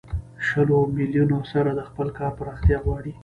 شلو میلیونو سره د خپل کار پراختیا غواړي